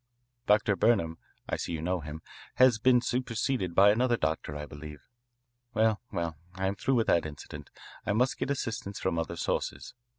Dr. Burnham I see you know him has been superseded by another doctor, I believe. Well, well, I am through with that incident. I must get assistance from other sources.